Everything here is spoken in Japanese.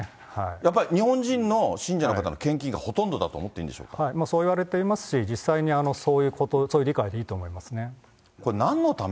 やっぱり日本人の信者の方の献金がほとんどだと思っていいんそういわれていますし、実際にそういう理解でいいと思いますね。